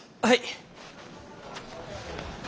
はい！